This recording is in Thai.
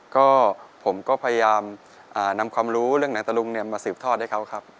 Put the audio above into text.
ก็ผมก็พยายามนำความรู้เรื่องหนังตะลุงมาสืบทอดให้เขาครับ